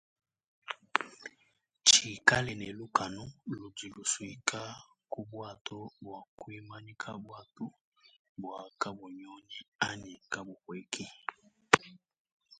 Tshikale ne lukanu ludi lusuika ku buatu bua kuimanyika buatu bua kabunyunyi anyi kabupueki.